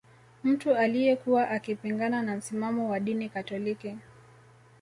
Mtu aliyekuwa akipingana na misimamo ya dini katoliki